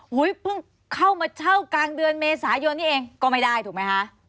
เพิ่งเข้ามาเช่ากลางเดือนเมษายนนี้เองก็ไม่ได้ถูกไหมคะ